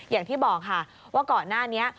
อย่างที่บอกค่ะว่าก่อนหน้านี้